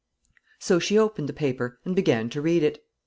] So she opened the paper and began to read it.